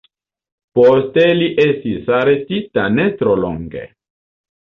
Poste li estis arestita ne tro longe.